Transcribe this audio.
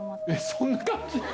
そんな感じ？